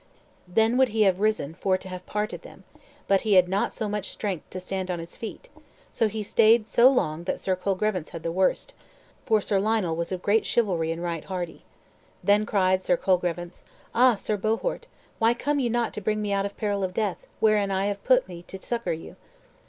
Then would he have risen for to have parted them, but he had not so much strength to stand on his feet; so he staid so long that Sir Colgrevance had the worse; for Sir Lionel was of great chivalry and right hardy. Then cried Sir Colgrevance, "Ah, Sir Bohort, why come ye not to bring me out of peril of death, wherein I have put me to succor you?"